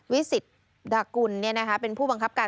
วิสิตดากุลเป็นผู้บังคับการ